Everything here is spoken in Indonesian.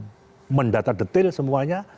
sudah mendata detail semuanya